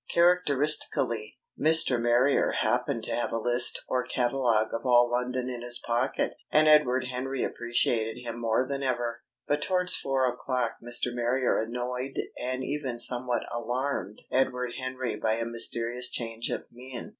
Characteristically, Mr. Marrier happened to have a list or catalogue of all London in his pocket, and Edward Henry appreciated him more than ever. But towards four o'clock Mr. Marrier annoyed and even somewhat alarmed Edward Henry by a mysterious change of mien.